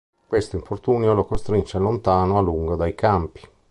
Questo infortunio lo costrinse lontano a lungo dai campi..